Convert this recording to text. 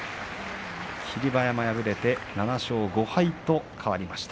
霧馬山、敗れて７勝５敗と変わりました。